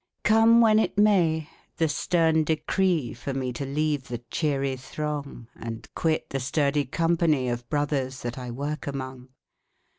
Come when it may, the stern decree For me to leave the cheery throng And quit the sturdy company Of brothers that I work among.